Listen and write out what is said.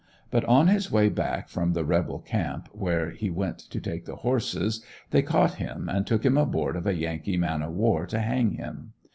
But on his way back from the rebel ramp, where he went to take the horses they caught him and took him aboard of a Yankee man of war to hang him.